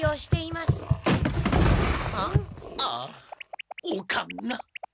ああおかんが。